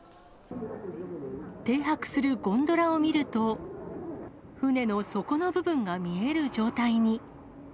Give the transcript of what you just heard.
停泊するゴンドラを見ると、船の底の部分が見える状態に。